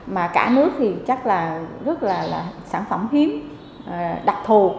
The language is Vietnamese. mà cả nước thì chắc là rất là sản phẩm hiếm đặc thù